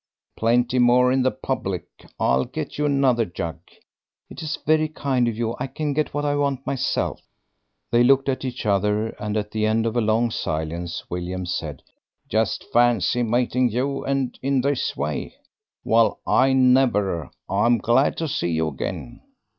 "Plenty more in the public; I'll get you another jug." "It is very kind of you. I can get what I want myself." They looked at each other, and at the end of a long silence William said: "Just fancy meeting you, and in this way! Well I never! I am glad to see you again."